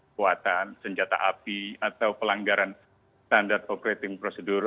kekuatan senjata api atau pelanggaran standar operating procedure